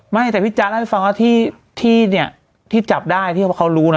ไม่แต่พี่จ๊ะให้ฟังว่าที่จับได้ที่เขารู้นะ